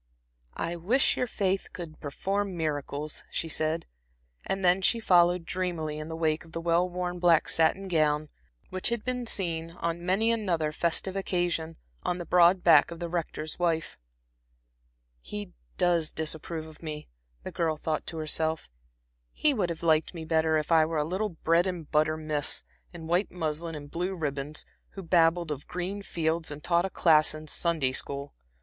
"I wish your faith could perform miracles," she said. And then she followed dreamily in the wake of the well worn black satin gown, which had been seen, on many another festive occasion, on the broad back of the Rector's wife. "He does disapprove of me," the girl thought to herself. "He would have liked me better if I were a little bread and butter miss, in white muslin and blue ribbons, who babbled of green fields and taught a class in Sunday school.